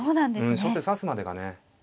初手指すまでがね。